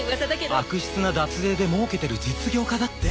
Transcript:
悪質な脱税で儲けてる実業家だって。